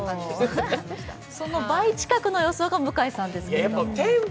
その倍近くの予想が向井さんですが。